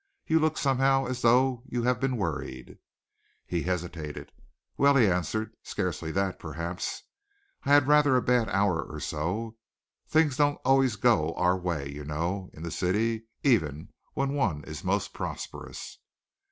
You look somehow as though you had been worried." He hesitated. "Well," he answered, "scarcely that, perhaps. I had rather a bad hour or so. Things don't go always our way, you know, in the city, even when one is most prosperous."